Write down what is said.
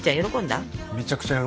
めちゃくちゃ喜んでた。